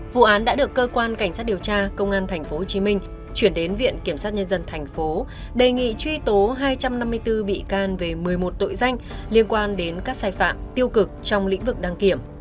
vụ án đã được cơ quan cảnh sát điều tra công an tp hcm chuyển đến viện kiểm sát nhân dân tp đề nghị truy tố hai trăm năm mươi bốn bị can về một mươi một tội danh liên quan đến các sai phạm tiêu cực trong lĩnh vực đăng kiểm